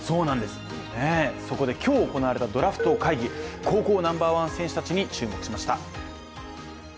そこで今日行われたドラフト会議高校ナンバーワン選手たちに注目しました。